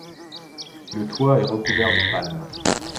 Le toit est recouvert de palme.